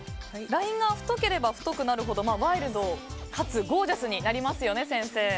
ラインが太ければ太くなるほどワイルドかつゴージャスになりますよね、先生。